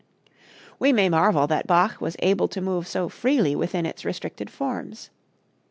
We may marvel that Bach was able to move so freely within its restricted forms.